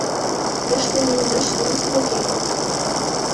Тыште нимогай шпионство уке.